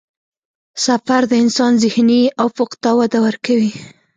سفر د انسان ذهني افق ته وده ورکوي.